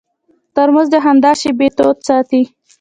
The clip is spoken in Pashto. ترموز د خندا شېبې تود ساتي.